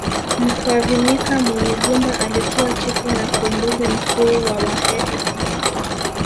Mkwavinyika Munyigumba alikuwa chifu na kiongozi mkuu wa wahehe